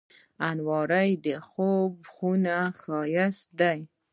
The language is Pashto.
الماري د خوب خونې ښايست دی